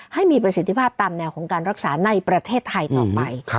ให้มีประสิทธิภาพตามแนวของการรักษาในประเทศไทยต่อไป